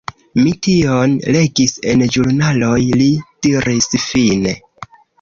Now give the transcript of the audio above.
Mi tion legis en ĵurnaloj, li diris fine.